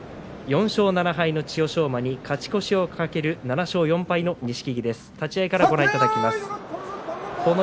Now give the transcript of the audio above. ４勝７敗の千代翔馬勝ち越しを懸ける錦木７勝４敗です。